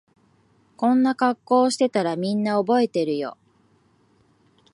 こんな格好してたらみんな覚えてるよ